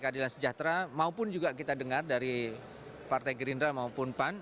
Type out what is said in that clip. dan juga kita dengar dari partai gerindra maupun pan